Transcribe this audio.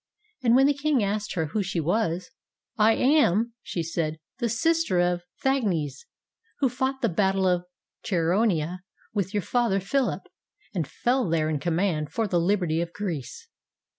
And when, the king asked her who she was, "I am," said she, "the sis ter of Theagenes, who fought the battle of Chasronea with your father Philip, and fell there in command for the liberty of Greece."